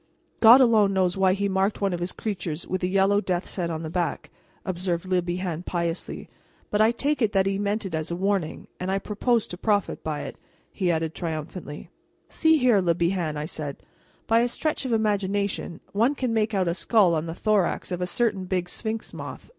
"God alone knows why he marked one of his creatures with a yellow death's head on the back," observed Le Bihan piously, "but I take it that he meant it as a warning; and I propose to profit by it," he added triumphantly. "See here, Le Bihan," I said; "by a stretch of imagination one can make out a skull on the thorax of a certain big sphinx moth.